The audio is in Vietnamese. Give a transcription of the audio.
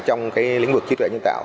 trong cái lĩnh vực trí tuệ nhân tạo